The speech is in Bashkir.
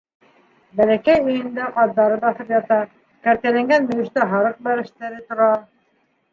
Бәләкәй өйөндә ҡаҙҙары баҫып ята, кәртәләнгән мөйөштә һарыҡ бәрәстәре тора.